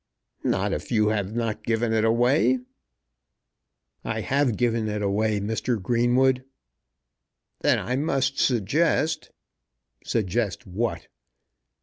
"Not if you have not given it away?" "I have given it away, Mr. Greenwood." "Then I must suggest " "Suggest what!"